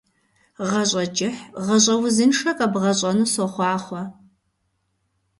Гъащӏэ кӏыхь, гъащӏэ узыншэ къэбгъэщӏэну сохъуахъуэ.